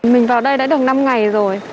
mình vào đây đã được năm ngày rồi